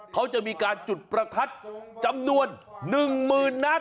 เขาจะมีการจุดประทัดจำนวนหนึ่งหมื่นนัด